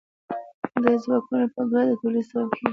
دا ځواکونه په ګډه د تولید سبب کیږي.